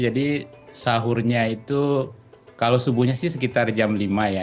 jadi sahurnya itu kalau subuhnya sih sekitar jam lima ya